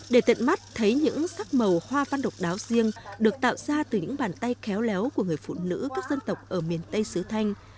để tận mắt thấy những sắc màu hoa văn độc đáo riêng được tạo ra từ những bàn tay khéo léo của người phụ nữ các dân tộc ở miền tây sứ thanh